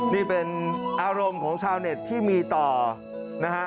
นี่เป็นอารมณ์ของชาวเน็ตที่มีต่อนะฮะ